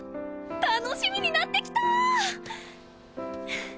楽しみになってきた！